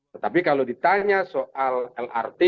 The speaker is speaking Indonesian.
tetapi kalau ditanya soal lrt